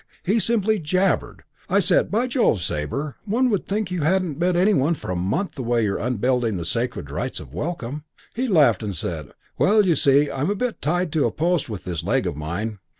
He simply jabbered. I said, 'By Jove, Sabre, one would think you hadn't met any one for a month the way you're unbelting the sacred rites of welcome.' He laughed and said, 'Well, you see, I'm a bit tied to a post with this leg of mine.'